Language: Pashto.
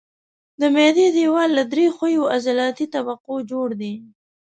د معدې دېوال له درې ښویو عضلاتي طبقو جوړ دی.